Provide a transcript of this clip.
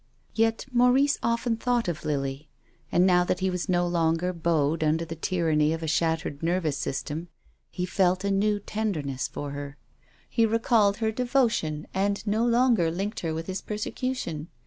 Yet Maurice often thought of Lily. And now that he was no longer bowed under the tyranny of a shattered nervous system he felt a new ten derness for her. He recalled her devotion and no longer linked her with his persecution.